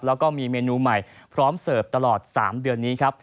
แล้วก็มีเมนูใหม่พร้อมเสิร์ฟตลอด๓เดือนนี้ครับ